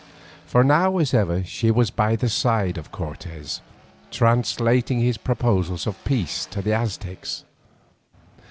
For now as ever she was by the side of Cortes, translating his proposals of peace to the Aztecs.